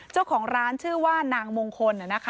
เจ้าของร้านชื่อว่านางมงคล